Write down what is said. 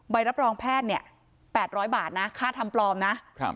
ใบรับรองแพทย์เนี่ย๘๐๐บาทนะค่าทำปลอมนะ